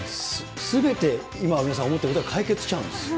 すべて今、皆さん思ってることは解決しちゃうんです。